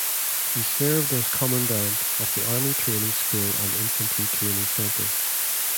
He served as Commandant of the Army Training School and the Infantry Training Centre.